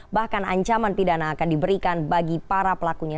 bahkan ancaman pidana akan diberikan bagi para pelakunya